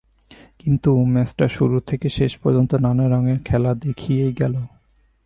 কিন্তু ম্যাচটা শুরু থেকে শেষ পর্যন্ত নানা রঙের খেলা দেখিয়েই গেল।